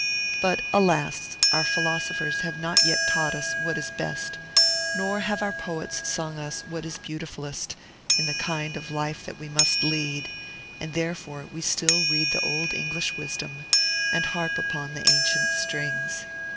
But, alas! our philosophers have not yet taught us what is best, nor have our poets sung us what is beautifulest, in the kind of life that we must lead; and therefore we still read the old English wisdom, and harp upon the ancient strings.